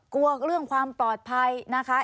กลัวเรื่องความปลอดภัยนะคะ